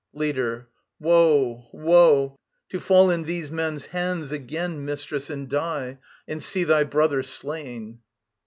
LEADER. Woe, woe! To fall in these men's hands again, Mistress, and die, and see thy brother slain!